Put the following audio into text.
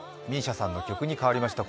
ＭＩＳＩＡさんの曲に変わりました。